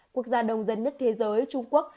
quốc gia đông dân nhất thế giới trung quốc